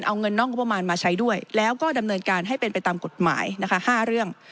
เอาเงินนอกงบประมาณมาใช้ด้วยแล้วก็ดำเนินการให้เป็นไปตามกฎหมายนะคะ๕เรื่อง